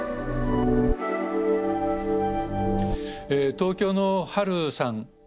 東京のはるさん。